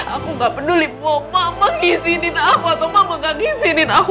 aku gak peduli mau mama ngizinin apa tuh mama gak ngizinin aku